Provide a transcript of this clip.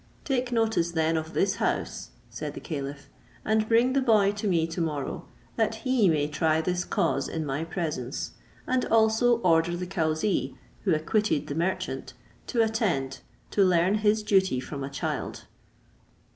"Take notice then of this house," said the caliph, "and bring the boy to me to morrow, that he may try this cause in my presence; and also order the cauzee, who acquitted the merchant, to attend to learn his duty from a child.